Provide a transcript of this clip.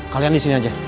kalian disini aja